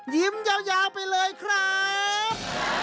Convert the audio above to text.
ยิ้มยาวไปเลยครับ